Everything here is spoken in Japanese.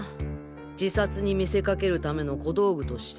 自殺に見せかけるための小道具として。